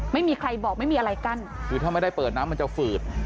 ไม่มีใครบอกไม่มีอะไรกั้นคือถ้าไม่ได้เปิดน้ำมันจะฝืด